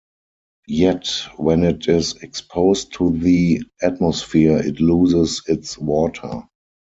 Yet when it is exposed to the atmosphere it loses its water.